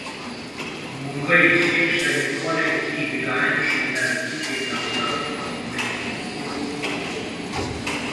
मुंबई: शिवसैनिकों ने की रिलायंस एनर्जी के दफ्तर में तोड़फोड़